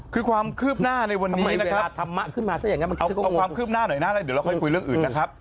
คือความคืบหน้าในวันนี้นะครับเอาความคืบหน้าหน่อยนะแล้วเดี๋ยวเราค่อยคุยเรื่องอื่นนะครับ